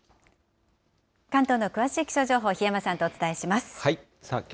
関東の詳しい気象情報、檜山さんとお伝えします。